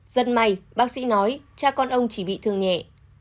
rất may bác sĩ nói cha con ông chỉ bị thương nhẹ